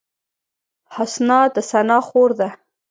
حسنا د ثنا خور ده